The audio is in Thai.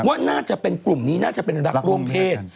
ว่าน่าจะเป็นกลุ่มนี้น่าจะเป็นรักร่วมเพศ